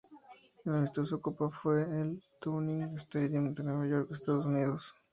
El amistoso-copa fue el en el Downing Stadium de Nueva York, Estados Unidos.